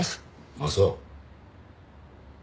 あっそう。